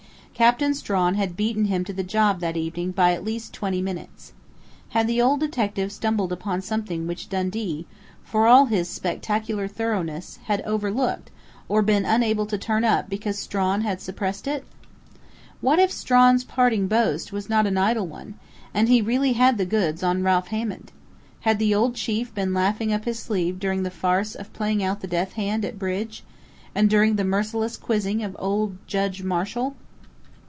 Captain Strawn had beaten him to the job that evening by at least twenty minutes. Had the old detective stumbled upon something which Dundee, for all his spectacular thoroughness, had overlooked or had been unable to turn up because Strawn had suppressed it? What if Strawn's parting boast was not an idle one, and he really had "the goods" on Ralph Hammond? Had the old chief been laughing up his sleeve during the farce of playing out the "death hand at bridge," and during the merciless quizzing of old Judge Marshall?